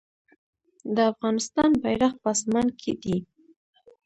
د افغانستان بیرغ په اسمان کې دی